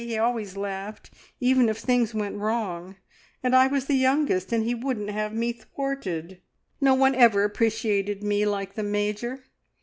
He always laughed, even if things went wrong, and I was the youngest, and he wouldn't have me thwarted. No one ever appreciated me like the Major.